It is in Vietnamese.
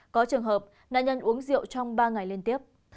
có trường hợp nạn nhân uống rượu trong ba ngày liên tiếp